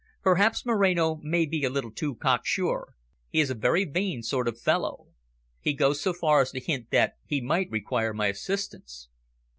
Perhaps Moreno may be a little too cocksure, he is a very vain sort of fellow. He goes so far as to hint that he might require my assistance."